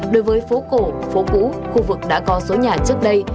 đối với phố cổ phố cũ khu vực đã có số nhà trước đây